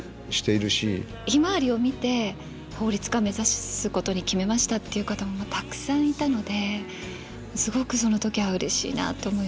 「ひまわり」を見て法律家目指すことに決めましたっていう方もたくさんいたのですごくその時はうれしいなって思いました。